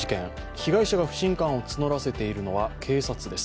被害者が不信感を募らせているのは警察です。